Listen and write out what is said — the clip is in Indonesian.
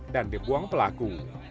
dan dibuang pelaku